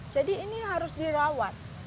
jadi ini harus dirawat